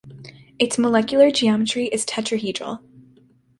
Its molecular geometry is tetrahedral.